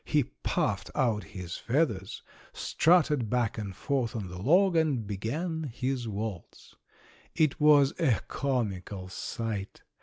He puffed out his feathers, strutted back and forth on the log and began his waltz. It was a comical sight!